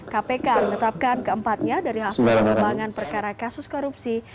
kpk menetapkan keempatnya dari hasil pengembangan perkara kasus korupsi